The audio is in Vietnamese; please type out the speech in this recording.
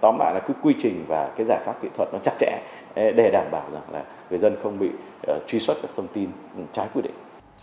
tóm lại là cái quy trình và cái giải pháp kỹ thuật nó chắc chẽ để đảm bảo rằng là người dân không bị truy xuất các thông tin trái quy định